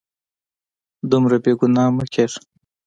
دومره بې ګناه مه کیږه